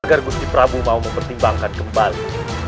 agar gusti prabowo mau mempertimbangkan kembali